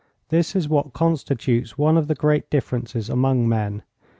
This is what constitutes one of the great differences among men.